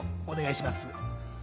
お願いします。